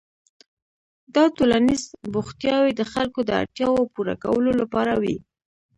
دا ټولنیز بوختیاوې د خلکو د اړتیاوو پوره کولو لپاره وې.